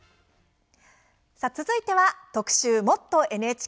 続いては特集「もっとＮＨＫ」。